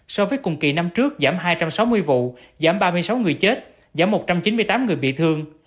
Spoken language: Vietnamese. so với cùng kỳ năm trước giảm hai trăm sáu mươi vụ giảm ba mươi sáu người chết giảm một trăm chín mươi tám người bị thương